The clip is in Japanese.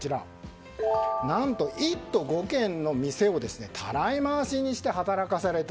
何と１都５県の店をたらい回しにして働かされた。